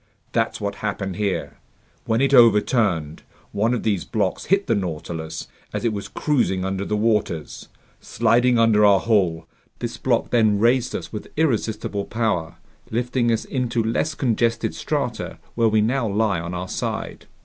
That's what happened here. When it overturned, one of these blocks hit the Nautilus as it was cruising under the waters. Sliding under our hull, this block then raised us with irresistible power, lifting us into less congested strata where we now lie on our side."